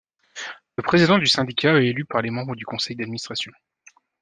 Le président du syndicat est élu par les membres du conseil d’administration.